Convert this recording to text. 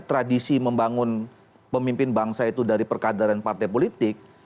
tradisi membangun pemimpin bangsa itu dari perkadaran partai politik